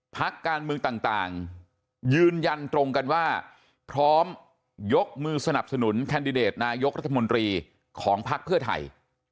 พักการเมืองต่างยืนยันตรงกันว่าพร้อมยกมือสนับสนุนแคนดิเดตนายกรัฐมนตรีของภักดิ์เพื่อไทย